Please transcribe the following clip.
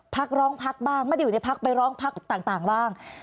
ร้องพักบ้างไม่ได้อยู่ในพักไปร้องพักต่างบ้าง